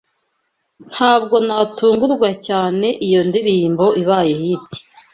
Ntabwo natungurwa cyane iyo ndirimbo ibaye hit.